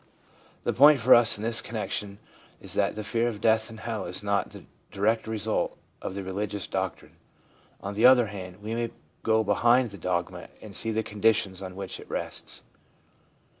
The point for us in this connection is that the fear of death and hell is not the direct result of the religious doctrine. On the other hand, we may go behind the dogma and see the conditions on which it rests.